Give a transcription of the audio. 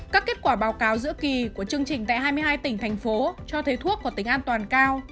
các kết quả báo cáo giữa kỳ của chương trình tại hai mươi hai tỉnh thành phố cho thấy thuốc có tính an toàn cao